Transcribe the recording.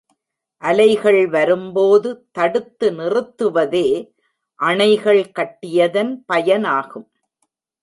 அலைகள் வரும்போது தடுத்து நிறுத்துவதே அணைகள் கட்டியதன் பயனாகும்.